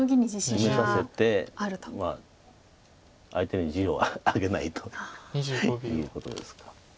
攻めさせて相手に地をあげないということですか。